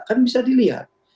kan bisa dilihat